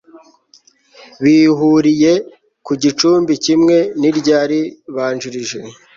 bihuriye ku gicumbi kimwe n'iryaribanjirije